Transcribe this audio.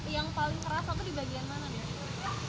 yang paling kerasa itu di bagian mana deh